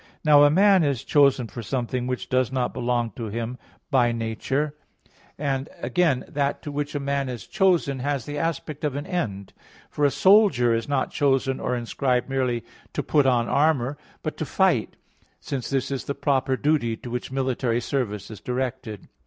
Now a man is chosen for something which does not belong to him by nature; and again that to which a man is chosen has the aspect of an end. For a soldier is not chosen or inscribed merely to put on armor, but to fight; since this is the proper duty to which military service is directed.